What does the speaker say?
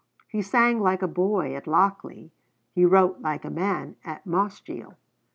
He sang like a boy at Lochlea; he wrote like a man at Mossgiel.